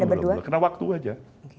belum belum karena waktu saja